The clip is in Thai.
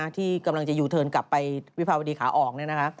ที่กำลังจะอยู่เทินกลับไปวิภาวดีขาออก